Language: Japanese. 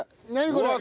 これ！